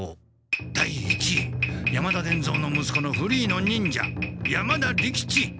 第一位山田伝蔵のむすこのフリーの忍者山田利吉」。